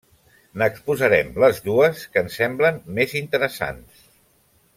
N'exposarem les dues que ens semblen més interessants.